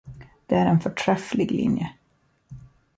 Det är en förträfflig linje.